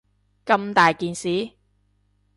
咁大件事